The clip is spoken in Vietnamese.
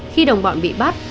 khi đồng bọn bị bắt